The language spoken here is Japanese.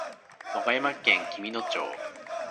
和歌山県紀美野町